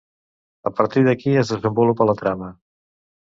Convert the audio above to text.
A partir d'aquí es desenvolupa la trama.